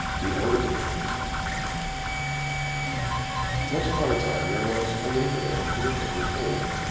THE ELDERBUSH Once upon a time there was a little boy who had taken cold.